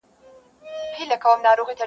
څنکه چي خاموشه دریابو کي ملغلري دي,